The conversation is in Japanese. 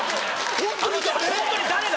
ホントに誰だ？